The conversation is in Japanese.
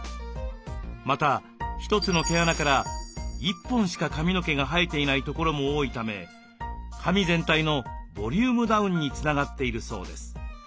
また一つの毛穴から１本しか髪の毛が生えていないところも多いため髪全体のボリュームダウンにつながっているそうです。